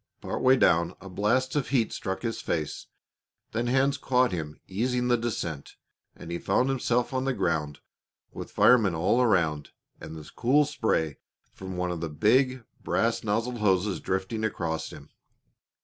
Part way down a blast of heat struck his face; then hands caught him, easing the descent, and he found himself on the ground, with firemen all around and the cool spray from one of the big, brass nozzled hoses drifting across him.